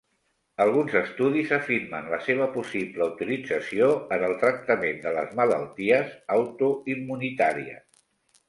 Alguns estudis afirmen la seva possible utilització en el tractament de les malalties autoimmunitàries.